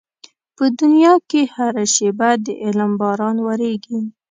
په دنيا کې هره شېبه د علم باران ورېږي.